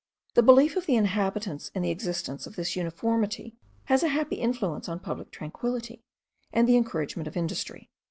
The belief of the inhabitants in the existence of this uniformity has a happy influence on public tranquillity, and the encouragement of industry.